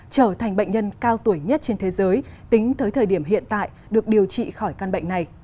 trở thành bệnh nhân cao tuổi nhất trên thế giới tính tới thời điểm hiện tại được điều trị khỏi căn bệnh này